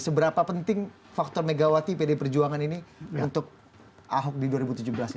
seberapa penting faktor megawati pd perjuangan ini untuk ahok di dua ribu tujuh belas ini